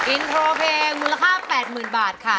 อินโทรเพลงมูลค่า๘๐๐๐บาทค่ะ